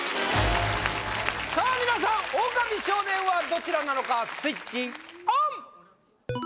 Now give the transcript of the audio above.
さあみなさんオオカミ少年はどちらなのかスイッチオン！